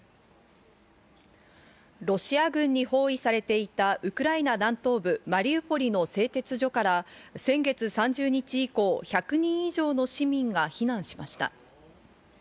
ロシア軍に包囲されていたウクライナ南東部マリウポリの製鉄所から先月３０日以降、１００人以上の市民が避難しました。